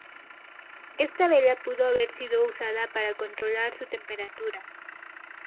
Esta vela pudo haber sido usada para controlar su temperatura.